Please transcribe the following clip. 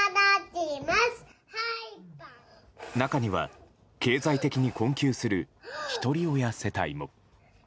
中には、経済的に困窮するひとり親世帯も。